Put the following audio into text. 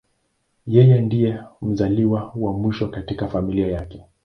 Yeye ndiye mzaliwa wa mwisho katika familia yake.